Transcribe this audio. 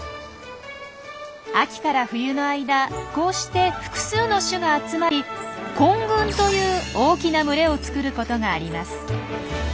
秋から冬の間こうして複数の種が集まり「混群」という大きな群れを作ることがあります。